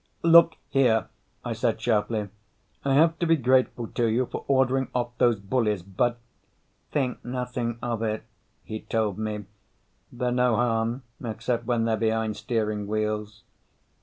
"Look here," I said sharply. "I have to be grateful to you for ordering off those bullies, but " "Think nothing of it," he told me. "They're no harm except when they're behind steering wheels.